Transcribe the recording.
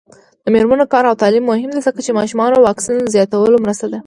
د میرمنو کار او تعلیم مهم دی ځکه چې ماشومانو واکسین زیاتولو مرسته ده.